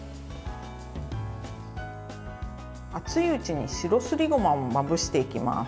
熱いうちに白すりごまをまぶしていきます。